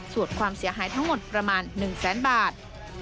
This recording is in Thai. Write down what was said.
ส่วนความเสียหายทั้งหมดประมาณ๑แสนบาท